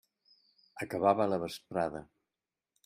Acabava la vesprada.